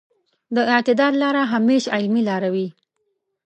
د اعتدال لاره همېش عملي لاره وي.